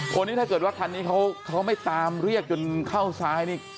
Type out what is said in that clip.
ถ้าเกิดว่าคันนี้เขาไม่ตามเรียกจนเข้าซ้ายนี่